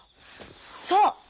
そう！